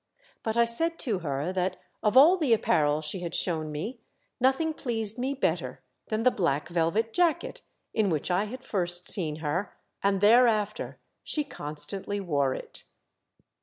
But I said to her that of all the apparel she had showa me nothing T96 THE DEATH SHIP. pleased me better than the black velvet jacket in which I had first seen her, and thereafter she constantly wore it.